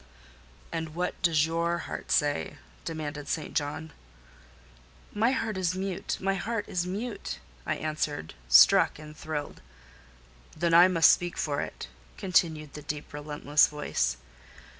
"And what does your heart say?" demanded St. John. "My heart is mute,—my heart is mute," I answered, struck and thrilled. "Then I must speak for it," continued the deep, relentless voice.